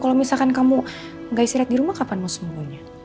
kalau misalkan kamu gak istirahat di rumah kapan mau semuanya